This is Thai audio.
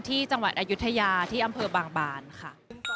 ที่จังหวัดอายุทยาที่อำเภอบางบานค่ะ